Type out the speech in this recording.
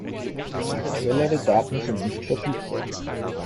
Aktuellere Daten sind nicht verfügbar.